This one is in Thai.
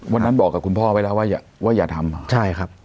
วันนั้นบอกกับคุณพ่อไว้แล้วว่าอย่าว่าอย่าทำใช่ครับ